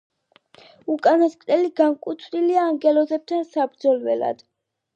უკანასკნელი განკუთვნილია „ანგელოზებთან“ საბრძოლველად.